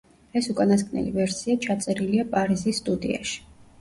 ეს უკანასკნელი ვერსია ჩაწერილია პარიზის სტუდიაში.